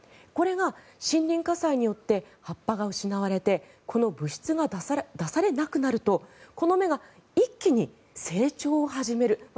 これが森林火災によって葉っぱが失われてこの物質が出されなくなるとこの芽が一気に成長を始める。